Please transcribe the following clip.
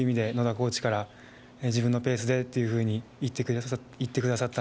コーチから自分のペースでっていうふうに、言ってくださった